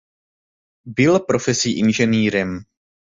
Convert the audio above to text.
Byl profesí inženýrem.